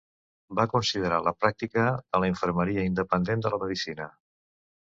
Va considerar la pràctica de la infermeria independent de la medicina.